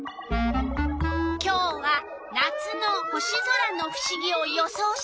今日は「夏の星空」のふしぎを予想してほしいの。